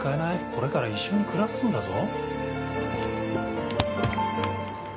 これから一緒に暮らすんだぞ。